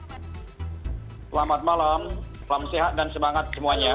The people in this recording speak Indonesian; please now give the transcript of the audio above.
selamat malam salam sehat dan semangat semuanya